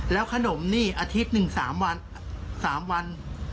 แล้วขนมนี่อาทิตย์๑๓วัน๓วัน